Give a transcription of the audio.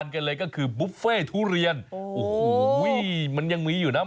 กันเลยก็คือบุฟเฟ่ทุเรียนโอ้โหมันยังมีอยู่นะ